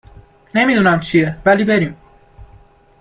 !نمی دونم چیه ولی بریم